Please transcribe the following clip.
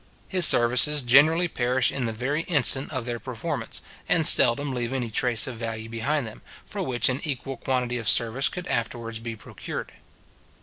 His services generally perish in the very instant of their performance, and seldom leave any trace of value behind them, for which an equal quantity of service could afterwards be procured.